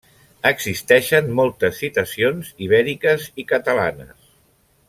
Existeixen moltes citacions ibèriques i catalanes.